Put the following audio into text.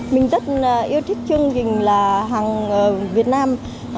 mình rất yêu thích chương trình là hàng việt nam